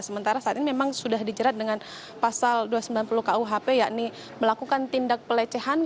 sementara saat ini memang sudah dijerat dengan pasal dua ratus sembilan puluh kuhp yakni melakukan tindak pelecehan